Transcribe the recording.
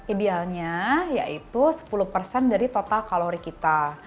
idealnya yaitu sepuluh persen dari total kalori kita